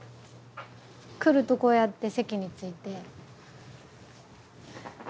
来るとこうやって席について。